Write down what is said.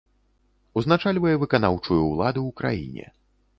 Узначальвае выканаўчую ўладу ў краіне.